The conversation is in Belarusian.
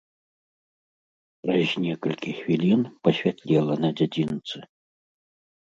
Праз некалькі хвілін пасвятлела на дзядзінцы.